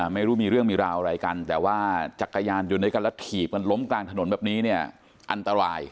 ไม่รู้มีเรื่องมีราวอะไรกันแต่ว่าจักรยานอยู่ด้วยกันแล้วถีบกันล้มกลางถนนแบบนี้เนี่ยอันตราย